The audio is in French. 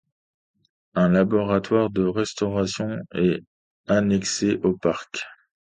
Un laboratoire de restauration est annexé au parc.